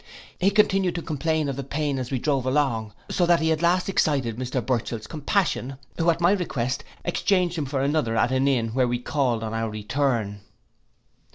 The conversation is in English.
He continued to complain of the pain as we drove along, so that he at last excited Mr Burchell's compassion, who, at my request, exchanged him for another at an inn where we called on our return.